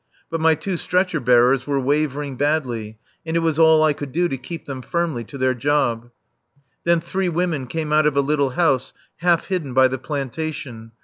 But my two stretcher bearers were wavering badly, and it was all I could do to keep them firmly to their job. Then three women came out of a little house half hidden by the plantation.